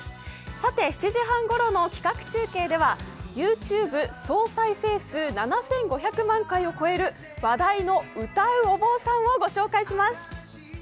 さて７時半ごろの企画中継では、ＹｏｕＴｕｂｅ総再生数７５００万回を超える話題の歌うお坊さんをご紹介します。